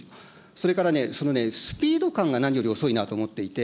それからね、そのね、スピード感が何より遅いなと思っていて。